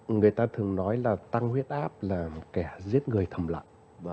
người ta thường nói là tăng huyết áp là kẻ giết người thầm lặn